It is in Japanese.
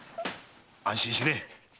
安心しねえ。